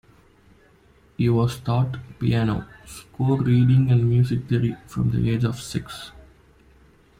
He was taught piano, score reading, and music theory from the age of six.